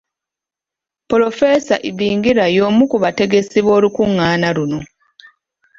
Polofeesa Ibingira y’omu ku bategesi b’olukungaana luno.